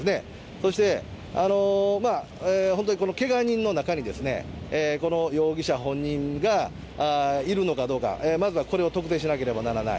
そして、本当にこのけが人の中に、この容疑者本人がいるのかどうか、まずはこれを特定しなければならない。